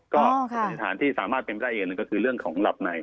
ก็สันยธารที่สามารถเป็นผิดได้อย่างนึงก็คือเรื่องของหลับไหน